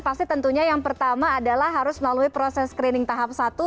pasti tentunya yang pertama adalah harus melalui proses screening tahap satu